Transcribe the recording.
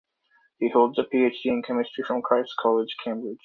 He holds a PhD in chemistry from Christ's College, Cambridge.